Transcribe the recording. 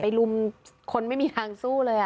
ลุมคนไม่มีทางสู้เลย